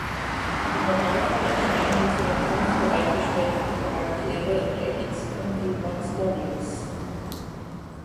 Im Normalfall erscheinen die für den Kampf bereitgestellten Charaktere rechts und die Monster links.